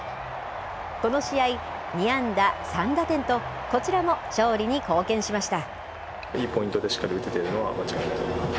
この試合、２安打３打点と、こちらも勝利に貢献しました。